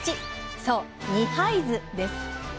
そう二杯酢です。